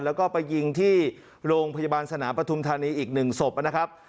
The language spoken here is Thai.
แล้วก็ไปยิงที่โรงพยาบาลสนามปฐุมธานีอีกหนึ่งศพนะครับ